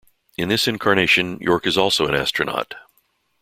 In this incarnation, York is also an astronaut.